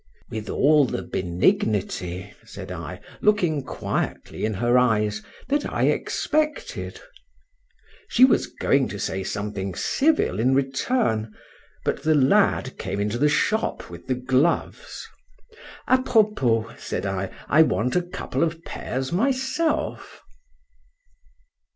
—With all the benignity, said I, looking quietly in her eyes, that I expected.—She was going to say something civil in return—but the lad came into the shop with the gloves.—Apropos, said I, I want a couple of pairs myself.